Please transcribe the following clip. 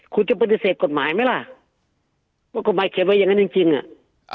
คุณจะปฏิเสธกฎหมายไหมล่ะว่ากฎหมายเขียนไว้อย่างนั้นจริงจริงอ่ะ